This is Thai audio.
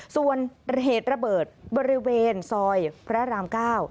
ส่วนเหตุระเบิดบริเวณซอยพระราม๙